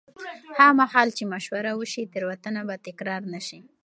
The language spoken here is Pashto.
هغه مهال چې مشوره وشي، تېروتنه به تکرار نه شي.